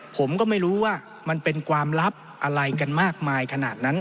ผมก็ไม่รู้ว่ามันเป็นความลับอะไรกันมากมายขนาดนั้น